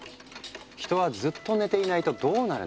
「人はずっと寝ていないとどうなるのか？」